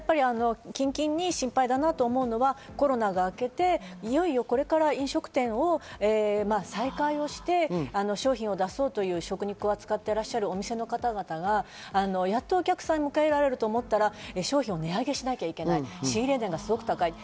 まず近々に心配だなと思うのはコロナが明けていよいよこれから飲食店を再開して、商品を出そうという食肉を扱ってらっしゃるお店の方々がやっとお客さんを迎えられると思ったら、商品を値上げしなくてはいけない。